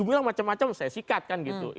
macem macem saya sikat kan gitu